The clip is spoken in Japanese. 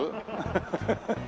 ハハハハ。